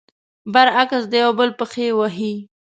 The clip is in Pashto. برعکس، د يو بل پښې وهي.